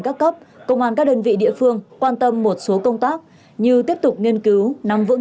các cấp công an các đơn vị địa phương quan tâm một số công tác như tiếp tục nghiên cứu nắm vững